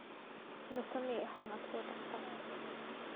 Na sa mehhang a thaw taktak.